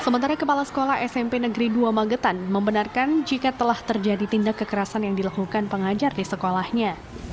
sementara kepala sekolah smp negeri dua magetan membenarkan jika telah terjadi tindak kekerasan yang dilakukan pengajar di sekolahnya